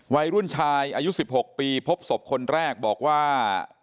วัยรุ่นชายอายุ๑๖ปีพบศพคนแรกบอกว่า